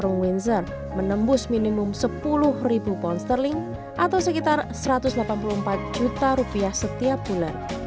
role windsor menembus minimum sepuluh ribu pound sterling atau sekitar satu ratus delapan puluh empat juta rupiah setiap bulan